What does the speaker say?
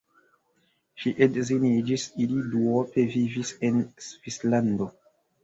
Ŝi edziniĝis, ili duope vivis en Svislando.